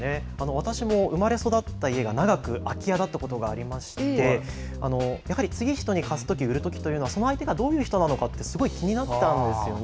私も生まれ育った家が長く、空き家だったことがありまして、やはり次、人に貸すとき、売るときというのは、その相手がどういう人なのかって、すごい気になってたんですよね。